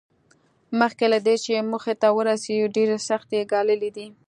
مخکې له دې چې موخې ته ورسېږي ډېرې سختۍ یې ګاللې دي